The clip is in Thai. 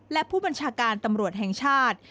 และผู้บัญชาการตำรวจแห่งชาติ